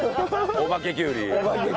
お化けきゅうり。